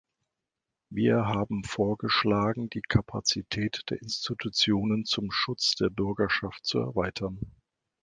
Wir haben vorgeschlagen, die Kapazität der Institutionen zum Schutz der Bürgerschaft zu erweitern.